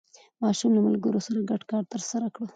ماشوم له ملګرو سره ګډ کار ترسره کړ